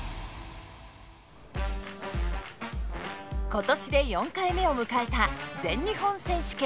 今年で４回目を迎えた全日本選手権。